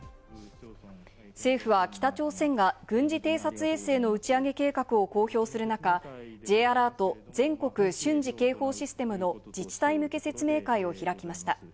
政府は北朝鮮が軍事偵察衛星の打ち上げ計画を公表する中、Ｊアラート＝全国瞬時警報システムの自治体向け説明会を開きました。